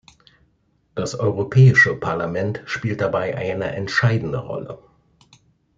Das Europäische Parlament spielt dabei eine entscheidende Rolle.